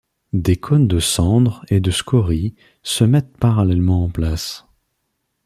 Des cônes de cendres et de scories se mettent parallèlement en place.